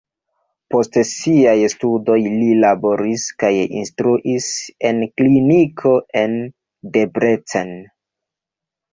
Post siaj studoj li laboris kaj instruis en kliniko en Debrecen.